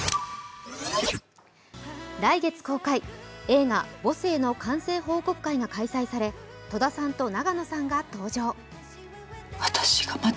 来月公開、映画「母性」の完成報告会が開催され戸田さんと永野さんが登場。